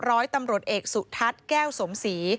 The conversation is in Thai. ร้อยตำรวจเอกสุทัศน์แก้วสมศรี